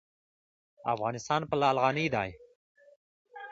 افغانستان په لعل غني دی.